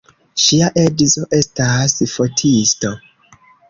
Ŝia edzo estas fotisto.